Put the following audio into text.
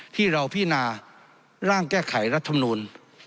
ที่เราพินาร่างแก้ไขรัฐมนูล